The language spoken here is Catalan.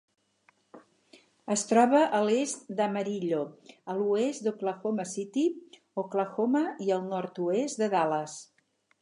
Es troba a l'est d'Amarillo, a l'oest d'Oklahoma City, Oklahoma i al nord-oest de Dallas.